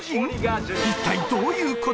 一体どういうこと！？